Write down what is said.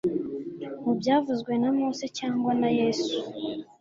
mu byavuzwe na mose cyangwa na yesu